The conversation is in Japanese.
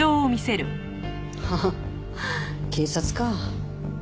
ハハ警察か。